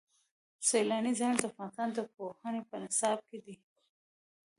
سیلاني ځایونه د افغانستان د پوهنې په نصاب کې دي.